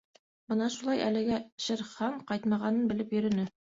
Бына шулай әлегә Шер Хан ҡайтмағанын белеп йөрөнө.